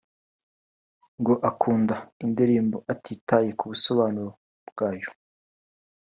ngo akunda indirimbo atitaye ku busobanuro bwayo